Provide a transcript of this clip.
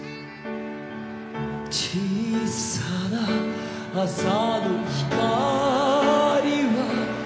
「小さな朝の光は」